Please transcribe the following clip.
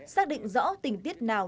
xác định rõ tình tiết nào